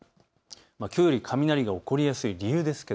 きょうより雷が起こりやすい理由です。